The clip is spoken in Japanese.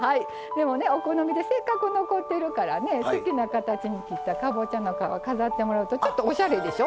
でもねお好みでせっかく残ってるからね好きな形に切ったかぼちゃの皮飾ってもらうとちょっとおしゃれでしょ。